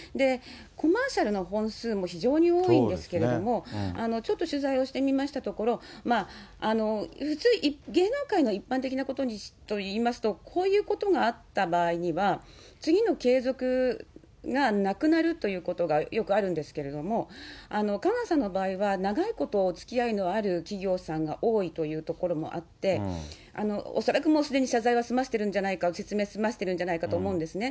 コマーシャルの本数も非常に多いんですけれども、ちょっと取材をしてみましたところ、普通、芸能界の一般的なことといいますと、こういうことがあった場合には、次の継続がなくなるということがよくあるんですけれども、香川さんの場合は、長いことおつきあいのある企業さんが多いところもあって、恐らくもうすでに謝罪は済ませているんじゃないか、説明済ませてるんじゃないかと思うんですね。